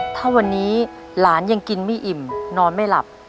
ถ้าวันนี้หลานยังกินไม่อิ่มนอนไม่หลับ